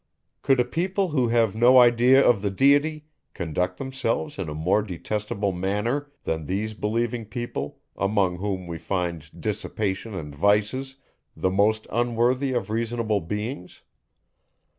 Could a people who have no idea of the Deity conduct themselves in a more detestable manner, than these believing people, among whom we find dissipation and vices, the most unworthy of reasonable beings?